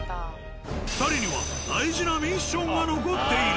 ２人には大事なミッションが残っている。